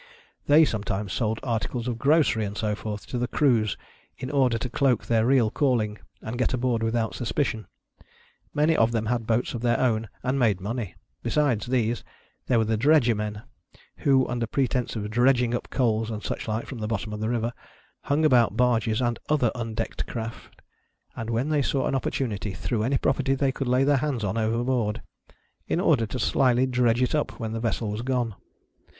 They sometimes sold articles of grocery, and so forth, to the crews, in order to cloak their real calling, and get aboard without suspicion. Many of them had boats of their own, and made money. Besides these, there were the Dredgermen, who, under pretence of dredging up coals and such like from the bottom of the river, hung about barges and other undecked craft, and when they saw an opportunity, threw any property they could lay their hands on over board : in order slyly to dredge it up when the vessel was gone.